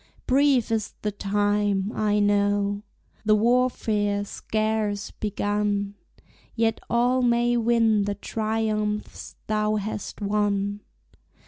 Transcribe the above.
Brief is the time, I know, The warfare scarce begun; Yet all may win the triumphs thou hast won.